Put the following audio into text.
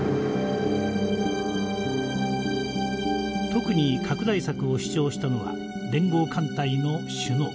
特に拡大策を主張したのは連合艦隊の首脳部。